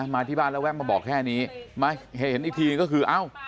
มาที่บ้านแล้วแวะมาบอกแค่นี้มาเห็นอีกทีก็คือเอ้า